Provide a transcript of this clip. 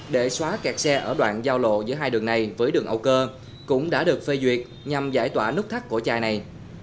để xóa kẹt xe ở đoạn giao lộ giữa hai đường này với đường âu cơ cũng đã được phê duyệt nhằm giải tỏa nút thắt cổ chai này